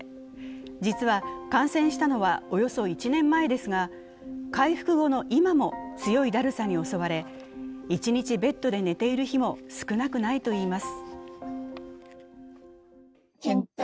実は感染したのは、およそ１年前ですが回復後の今も強いだるさに襲われ、一日ベッドで寝ている日も少なくないといいます。